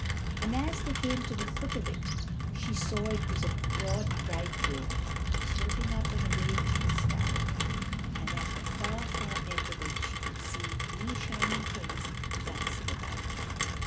And as they came to the foot of it, she saw it was a broad bright road, sloping up and away into the sky, and at the far, far end of it she could see wee shining things dancing about.